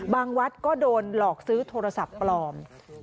วัดก็โดนหลอกซื้อโทรศัพท์ปลอม